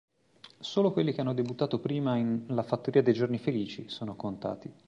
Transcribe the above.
Solo quelli che hanno debuttato prima in "La fattoria dei giorni felici" sono contati.